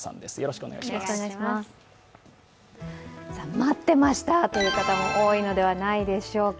待ってましたという方も多いのではないでしょうか。